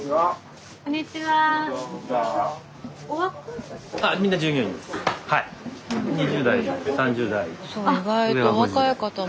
スタジオそう意外とお若い方も。